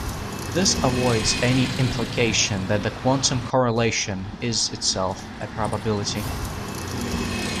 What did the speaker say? This avoids any implication that the quantum correlation is itself a probability.